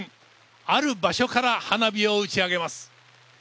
ある場所から花火を打ち上げます。